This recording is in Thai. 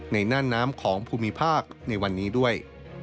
น่านน้ำของภูมิภาคในวันนี้ด้วย